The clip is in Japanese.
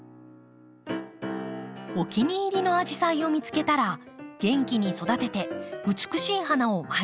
お気に入りのアジサイを見つけたら元気に育てて美しい花を毎年咲かせましょう。